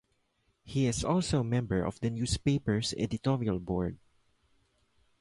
He is also a member of the newspaper's editorial board.